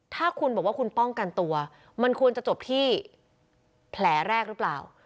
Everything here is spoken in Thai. ถ้าคุณบอกว่าคุณป้องกันตัวมันควรจะจบที่แผลแรกหรือเปล่า